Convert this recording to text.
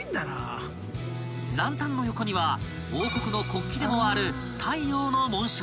［ランタンの横には王国の国旗でもある］